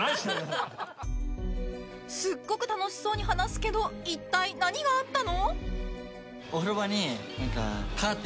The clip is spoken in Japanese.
すっごく楽しそうに話すけど一体何があったの？